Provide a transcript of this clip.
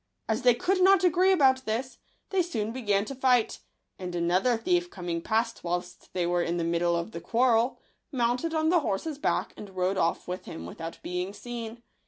| As they could not agree about this, they soon I began to fight; and another thief, coming past | whilst they were in the middle of the quarrel, | mounted on the horse's back, and rode off S with him without being seen.